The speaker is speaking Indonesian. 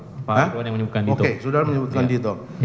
oke sudara menyebutkan dito